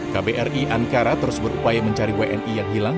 kbri ankara terus berupaya mencari wni yang hilang